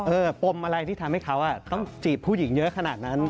ปมอะไรที่ทำให้เขาต้องจีบผู้หญิงเยอะขนาดนั้น